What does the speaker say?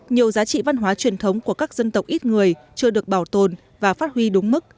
nhiều giá trị văn hóa truyền thống của các dân tộc ít người chưa được bảo tồn và phát huy đúng mức